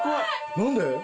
何で？